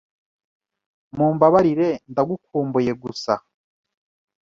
Mumbabarire, ndagukumbuye gusa